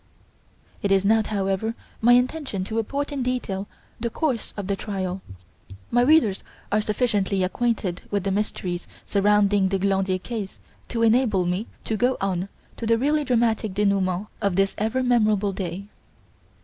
It is not, however, my intention to report in detail the course of the trial. My readers are sufficiently acquainted with the mysteries surrounding the Glandier case to enable me to go on to the really dramatic denouement of this ever memorable day.